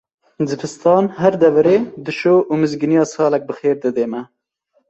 Zivistan her deverê dişo û mizgîniya saleke bixêr dide me.